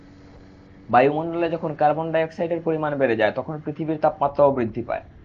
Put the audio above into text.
বায়ুমণ্ডলে যখন কার্বন ডাই-অক্সাইডের পরিমাণ বেড়ে যায় তখন পৃথিবীর তাপমাত্রাও বৃদ্ধি পায়।